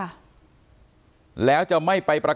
ขอบคุณมากครับขอบคุณมากครับ